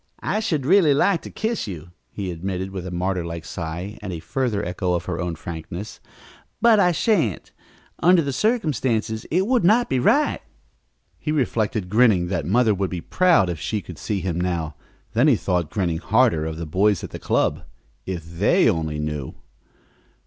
"I should really like to kiss you," he admitted with a martyr like sigh and a further echo of her own frankness, "but I shan't. Under the circumstances it would not be right." He reflected, grinning, that mother would be proud if she could see him now, then he thought, grinning harder, of the boys at the club. If they only knew!